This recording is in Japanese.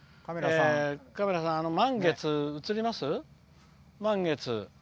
カメラさん、満月、映ります？